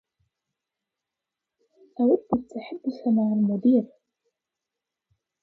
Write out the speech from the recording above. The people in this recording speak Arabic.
أود التحدث مع المدير.